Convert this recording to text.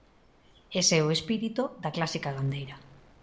Ese é o espírito da Clásica Gandeira.